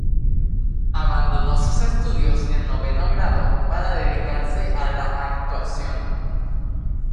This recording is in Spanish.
Abandonó sus estudios en noveno grado para dedicarse a la actuación.